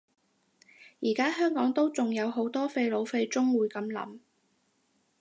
而家香港都仲有好多廢老廢中會噉諗